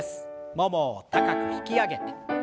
ももを高く引き上げて。